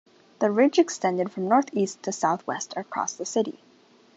The ridge extended from northeast to southwest across the city.